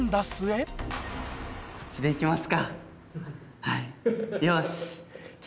こっちで行きます。